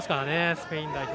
スペイン代表。